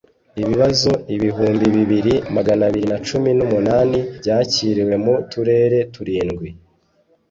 ibibazo ibihumbi bibiri magana abiri na cumi n’umunani byakiriwe mu turere turindwi